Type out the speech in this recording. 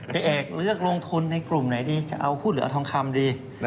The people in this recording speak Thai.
เอกเลือกลงทุนในกลุ่มไหนดีจะเอาผู้เหลือทองคำดี